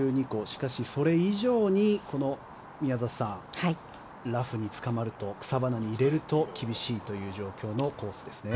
しかし、それ以上に宮里さんラフにつかまると草花に入れると厳しいという状況のコースですね。